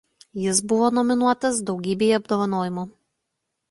Jis buvo nominuotas daugybei apdovanojimų.